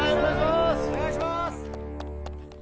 お願いします！